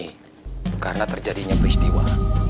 ini karena terjadinya peristiwa